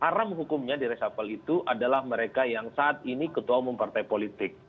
haram hukumnya di reshuffle itu adalah mereka yang saat ini ketua umum partai politik